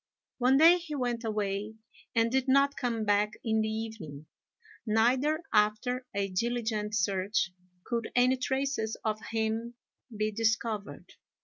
One day he went away and did not come back in the evening; neither, after a diligent search, could any traces of him be discovered.